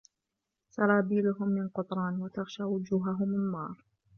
سرابيلهم من قطران وتغشى وجوههم النار